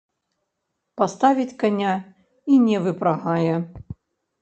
Паставіць каня і не выпрагае.